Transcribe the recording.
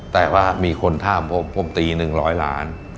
แต่ว่ามีคนท่ามผมผมตีหนึ่งร้อยล้าน